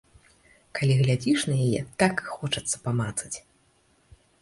Калі глядзіш на яе, так і хочацца памацаць!